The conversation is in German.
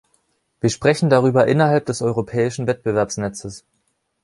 Wir sprechen darüber innerhalb des europäischen Wettbewerbsnetzes.